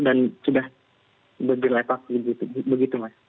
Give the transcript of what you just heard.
dan sudah berlepak begitu begitu mas